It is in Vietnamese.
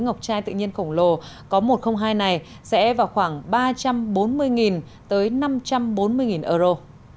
ngọc trai tự nhiên khổng lồ có một trăm linh hai này sẽ vào khoảng ba trăm bốn mươi đô la tới chín mươi đô la